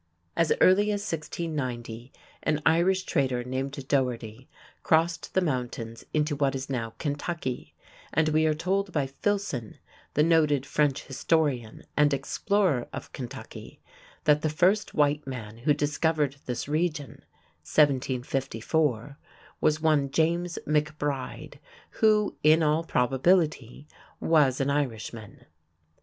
As early as 1690, an Irish trader named Doherty crossed the mountains into what is now Kentucky, and we are told by Filson, the noted French historian and explorer of Kentucky, that "the first white man who discovered this region" (1754) was one James McBride, who, in all probability, was an Irishman.